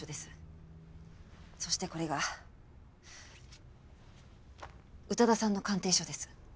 そしてこれが宇多田さんの鑑定書です。